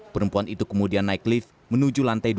perempuan itu kemudian naik lift menuju lantai dua